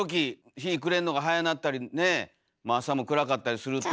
日暮れんのが早なったりね朝も暗かったりすると。